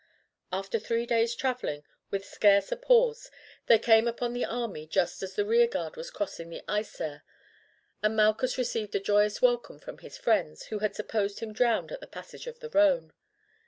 After three days' travelling with scarce a pause they came upon the army just as the rear guard was crossing the Isere, and Malchus received a joyous welcome from his friends, who had supposed him drowned at the passage of the Rhone.